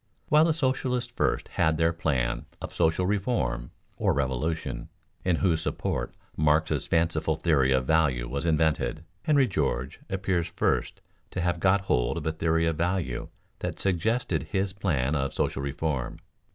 While the socialists first had their plan of social reform (or revolution), in whose support Marx's fanciful theory of value was invented, Henry George appears first to have got hold of a theory of value that suggested his plan of social reform.